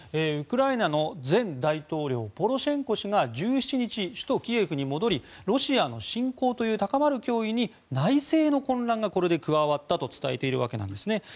ウクライナの前大統領ポロシェンコ氏が１７日、首都キエフに戻りロシアの侵攻という高まる脅威に内政の混乱がこれで加わったと伝えているわけです。